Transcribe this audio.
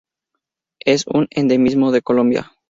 Es un endemismo de Colombia.